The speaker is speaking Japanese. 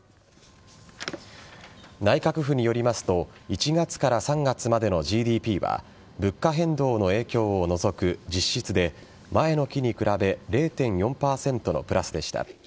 内閣府によりますと１月から３月までのＧＤＰは物価変動の影響を除く実質で前の期に比べ０．４％のプラスでした。